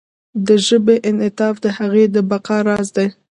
د ژبې انعطاف د هغې د بقا راز دی.